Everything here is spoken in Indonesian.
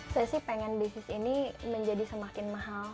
saya sih pengen bisnis ini menjadi semakin mahal